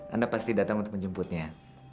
anda pasti datang untuk menjemputnya